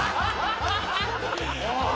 おい！